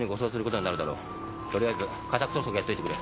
とりあえず家宅捜索やっといてくれ。